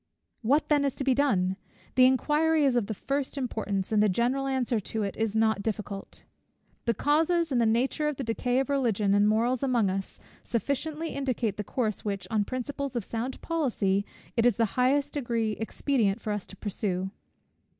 What then is to be done? The inquiry is of the first importance, and the general answer to it is not difficult. The causes and nature of the decay of Religion and morals among us sufficiently indicate the course, which, on principles of sound policy, it is in the highest degree expedient for us to pursue.